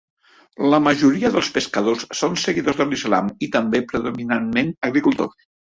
La majoria dels pescadors són seguidors de l'Islam i també predominantment agricultors.